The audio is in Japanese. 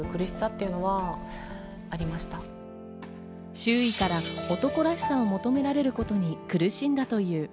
周囲から男らしさを求められることに苦しんだという。